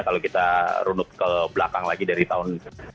kalau kita runut ke belakang lagi dari tahun seribu sembilan ratus enam puluh dua